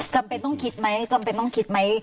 จำเป็นต้องคิดไหมจำเป็นต้องคิดไหม